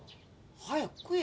早く食え。